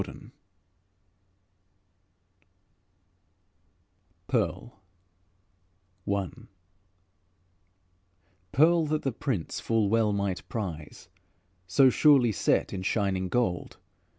THE PEARL I Pearl that the Prince full well might prize, So surely set in shining gold!